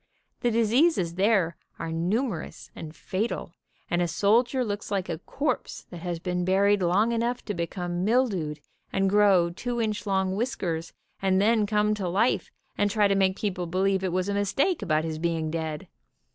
The diseases there are numer ous and fatal, and a soldier looks like a corpse that has been buried long enough to become mildewed and grow two inch long whiskers, and then come to life and try to make people believe it was a mistake about his being dead.